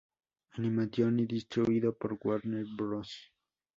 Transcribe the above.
Animation y distribuido por Warner Bros.